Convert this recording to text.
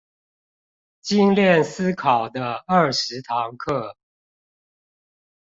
精鍊思考的二十堂課